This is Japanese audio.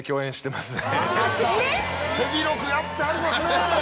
手広くやってはりますね！